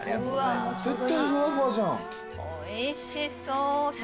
おいしそう。